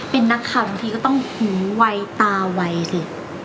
เป็นนักข่าวทุกทีก็ต้องหูวัยตาวัยสิ